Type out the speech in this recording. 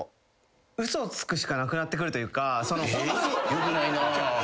よくないなぁ。